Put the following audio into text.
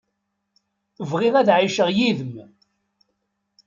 Bɣiɣ ad ɛiceɣ yid-m.